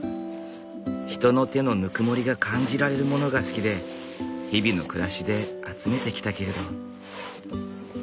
人の手のぬくもりが感じられるものが好きで日々の暮らしで集めてきたけれど。